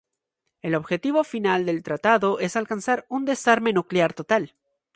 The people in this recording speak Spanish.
El objetivo final del tratado es alcanzar un desarme nuclear total.